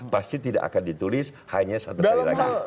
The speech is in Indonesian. pasti tidak akan ditulis hanya satu kali lagi